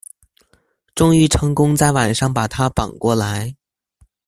終於成功在晚上把他綁過來